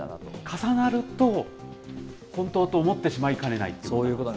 重なると、本当と思ってしまいかねないということ？